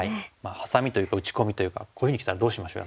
ハサミというか打ち込みというかこういうふうにきたらどうしましょう？